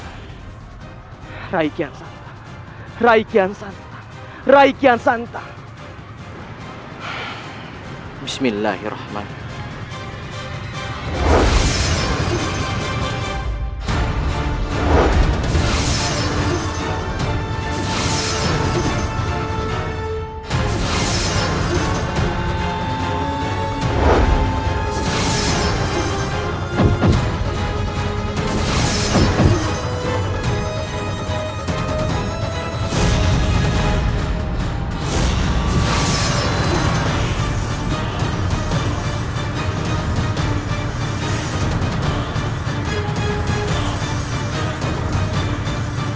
hai rai rai rai rai rai sad sexy bismillahirohmanirohem